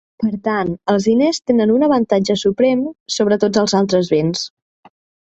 Per tant, els diners tenen un avantatge suprem sobre tots els altres béns.